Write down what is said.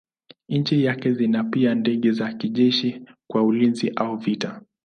Nchi nyingi zina pia ndege za kijeshi kwa ulinzi au vita.